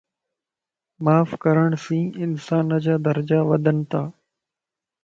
معاف ڪرڻ سين انسانَ جا درجا وڌنتا